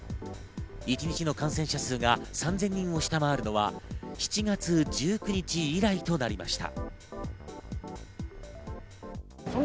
一日の感染者数が３０００人を下回るのは、７月１９日以来となりました。